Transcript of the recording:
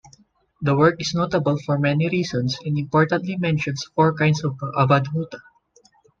The work is notable for many reasons and importantly mentions four kinds of Avadhuta.